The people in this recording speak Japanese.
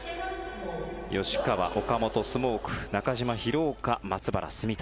吉川、岡本、スモーク中島、廣岡、松原、炭谷。